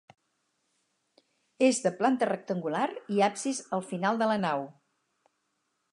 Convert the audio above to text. És de planta rectangular i absis al final de la nau.